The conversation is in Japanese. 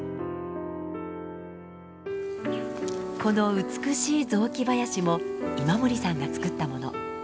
この美しい雑木林も今森さんがつくったもの。